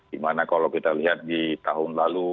dimana kalau kita lihat di tahun lalu